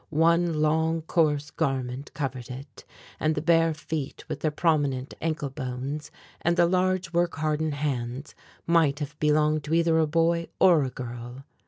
One long coarse garment covered it, and the bare feet with their prominent ankle bones and the large work hardened hands might have belonged to either a boy or a girl.